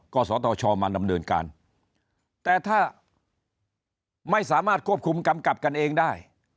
ก็สตชมาดำเนินการแต่ถ้าไม่สามารถควบคุมกำกับกันเองได้